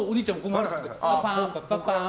パンパパパン。